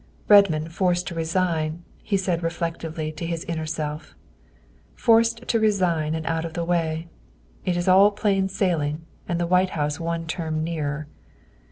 " Redmond forced to resign," he said reflectively to his inner self, " forced to resign and out of the way, it is all plain sailing and the White House one term nearer.